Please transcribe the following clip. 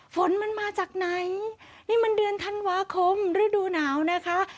ฝนมันมาจากไหนนี่มันเดือนธันวาคมฤดูหนาวนะคะ